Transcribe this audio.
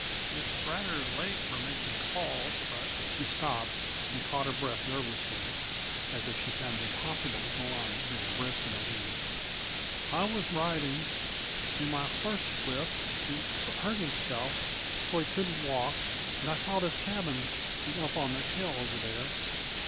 "It's rather late for making calls, but " She stopped and caught her breath nervously, as if she found it impossible to go on being brisk and at ease. "I was riding, and my horse slipped and hurt himself so he couldn't walk, and I saw this cabin from up on the hill over there.